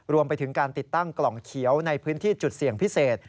รวมไปถึงการติดตั้งกล่องเขียวในพื้นที่จุดเสี่ยงพิเศษ